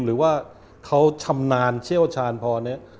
หรือว่าเขาชำนาญเชี่ยวชาญพอเนี่ย